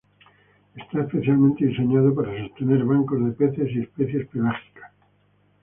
Está especialmente diseñado para sostener bancos de peces y especies pelágicas.